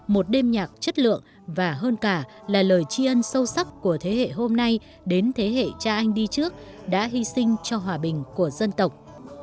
một đêm nhạc chất lượng và hơn cả là lời chi ân sâu sắc của thế hệ hôm nay đến thế hệ cha anh đi trước đã hy sinh cho hòa bình của dân tộc